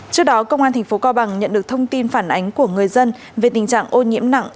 trước đó công an tp cao bằng nhận được thông tin phản ánh của người dân về tình trạng ô nhiễm nặng